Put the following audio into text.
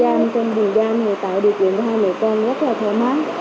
má chị ở trong khu vườn giam thì tại địa chuyện của hai mẹ con rất là thoải mái